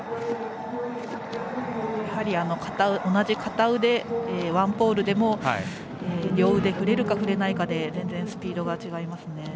同じ片腕、１ポールでも両腕を振れるか振れないかで全然スピードが違いますね。